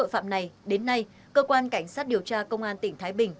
tội phạm này đến nay cơ quan cảnh sát điều tra công an tỉnh thái bình